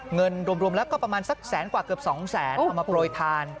เงินรวมแล้วก็ประมาณสักแสนกว่าเกือบ๒แสนเอามาโปรยทาน